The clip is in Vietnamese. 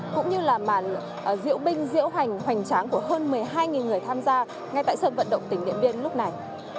cũng như là màn diễu binh diễu hoành hoành tráng của hơn một mươi hai người tham gia ngay tại sân vận động tỉnh điện biên lúc này